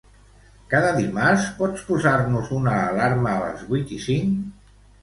Cada dimarts pots posar-nos una alarma a les vuit i cinc?